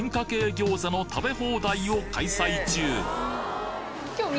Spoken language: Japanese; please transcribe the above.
餃子の食べ放題を開催中！